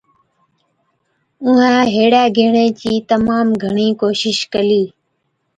اُونهَين هيڙَي گيهڻي چِي تمام گھڻِي ڪوشش ڪلِي،